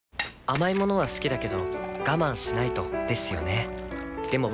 甘い物は好きだけど我慢しないとですよね